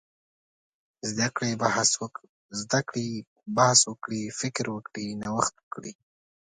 زده کړي، بحث وکړي، فکر وکړي، نوښت وکړي.